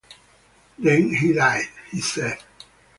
"Then he died", he said.